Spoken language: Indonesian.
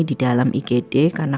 di dalam igd karena